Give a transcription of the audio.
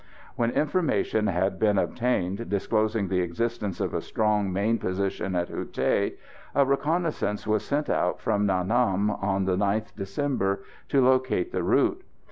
When information had been obtained disclosing the existence of a strong main position at Hou Thué, a reconnaissance was sent out from Nha Nam on the 9th December to locate the route.